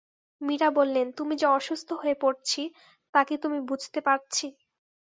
মীরা বললেন, তুমি যে অসুস্থ হয়ে পড়ছি, তা কি তুমি বুঝতে পারছি?